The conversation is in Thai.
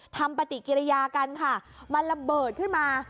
ทำปฏิกิริยากันค่ะมันระเบิดขึ้นมา